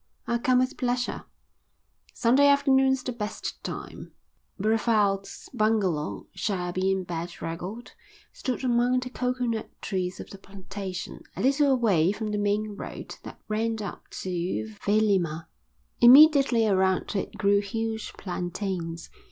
"I'll come with pleasure." "Sunday afternoon's the best time." Brevald's bungalow, shabby and bedraggled, stood among the coconut trees of the plantation, a little away from the main road that ran up to Vailima. Immediately around it grew huge plantains.